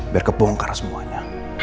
biar kebongkar semuanya